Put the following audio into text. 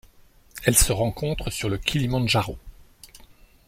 Elle se rencontre sur le Kilimandjaro.